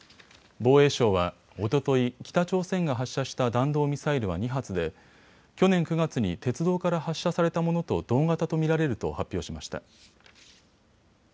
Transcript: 防衛省はおととい、北朝鮮が発射した弾道ミサイルは２発で去年９月に鉄道から発射されたものと同型と見られると発表しました。